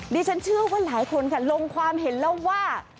ดิฉันเชื่อว่าหลายคนค่ะลงความเห็นแล้วว่า